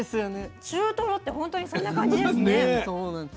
中トロって本当にそんな感じですね。